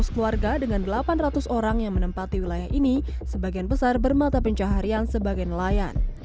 dua ratus keluarga dengan delapan ratus orang yang menempati wilayah ini sebagian besar bermata pencaharian sebagai nelayan